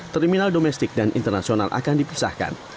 terminal domestik dan internasional akan dipisahkan